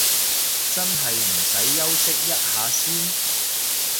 真係唔使休息一下先？